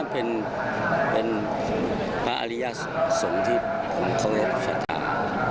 เป็นพระอริยสงธิพย์ของโควียดุชาธาร์